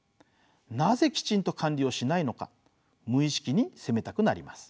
なぜきちんと管理をしないのか無意識に責めたくなります。